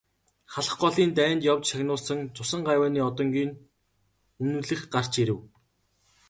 Халх голын дайнд явж шагнуулсан цусан гавьяаны одонгийн нь үнэмлэх гарч ирэв.